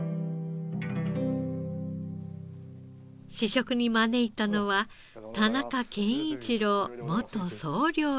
試食に招いたのは田中健一郎元総料理長。